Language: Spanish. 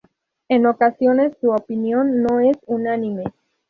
En ocasiones su opinión no es unánime.